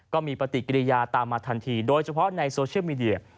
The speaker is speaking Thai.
ก็มีปฏิกิริยาตามมาทันทีโดยเฉพาะในโซเชียลมีเดีย